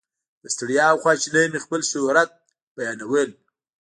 په ستړیا او خواشینۍ مې خپل شهرت بیانول.